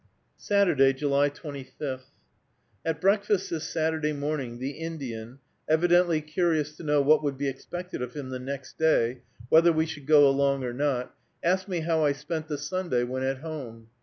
SATURDAY, July 25. At breakfast this Saturday morning, the Indian, evidently curious to know what would be expected of him the next day, whether we should go along or not, asked me how I spent the Sunday when at home.